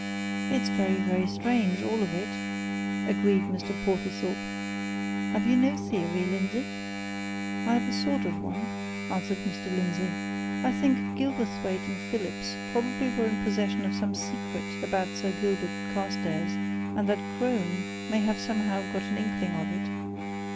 "It's very, very strange all of it," agreed Mr. Portlethorpe. "Have you no theory, Lindsey?" "I've a sort of one," answered Mr. Lindsey. "I think Gilverthwaite and Phillips probably were in possession of some secret about Sir Gilbert Carstairs, and that Crone may have somehow got an inkling of it.